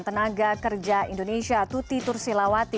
tenaga kerja indonesia tuti tursilawati